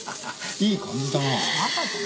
いい感じだな。